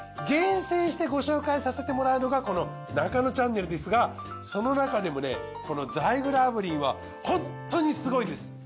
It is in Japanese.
厳選してご紹介させてもらうのがこの『ナカノチャンネル』ですがその中でもねこのザイグル炙輪はホントにすごいです！